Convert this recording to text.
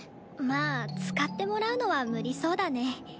まあ使ってもらうのは無理そうだね。